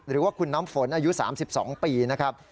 หรือว่าคุณน้ำฝนอายุ๓๒ปีนะครับ